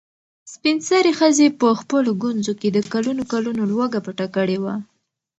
سپین سرې ښځې په خپلو ګونځو کې د کلونو کلونو لوږه پټه کړې وه.